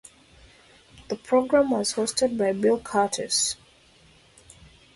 The program was hosted by Bill Kurtis.